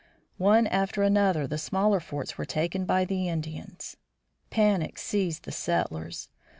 One after another the smaller forts were taken by the Indians. Panic seized the settlers.